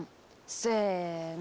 せの。